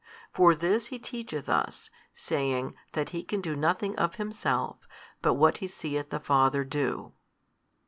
For this He teacheth us, saying that He can do nothing of Himself but what He seeth the Father do."